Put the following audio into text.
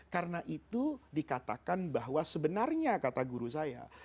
karena itu dikatakan bahwa sebenarnya kata guru saya